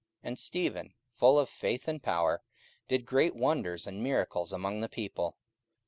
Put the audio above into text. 44:006:008 And Stephen, full of faith and power, did great wonders and miracles among the people.